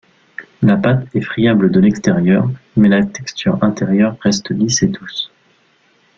La pâte est friable de l'extérieur, mais la texture intérieure reste lisse et douce.